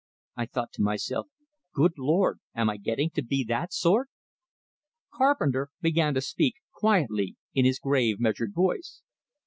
I thought to myself, "Good Lord, am I getting to be that sort?" Carpenter began to speak, quietly, in his grave, measured voice.